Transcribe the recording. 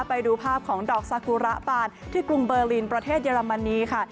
ไปดูภาพของดอกซากุระปานที่กรุงเบอร์ลินประเทศเยอรมนีค่ะ